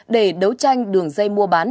để đấu tranh đường dây mua bán